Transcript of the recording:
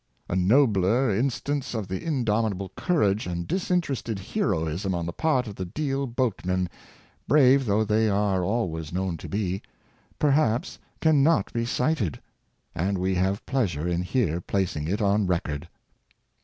A nobler instance of indomi table courage and disinterested heroism on the part of the Deal boatmen — brave though they are always known to be — perhaps can not be cited; and we have pleasure in here placing it on record.